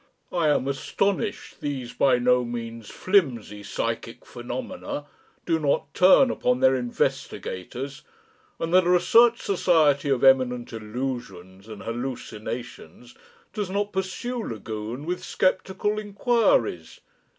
I am astonished these by no means flimsy psychic phenomena do not turn upon their investigators, and that a Research Society of eminent illusions and hallucinations does not pursue Lagune with sceptical! inquiries.